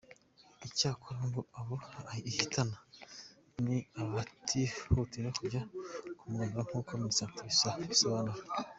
Icyakora ngo abo ihitana ni abatihutira kujya kwa muganga nkuko Minisante ibisobanura.